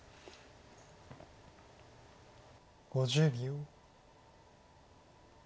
５０秒。